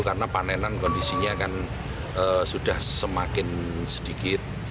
karena panenan kondisinya kan sudah semakin sedikit